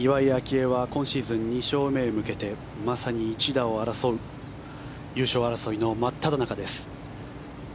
愛は今シーズン２勝目へ向けてまさに１打を争う優勝争いの真っただ中です。